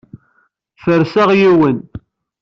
Ferseɣ yiwen.